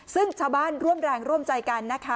ซึ่งชาวบ้านร่วมแรงร่วมใจกันนะคะ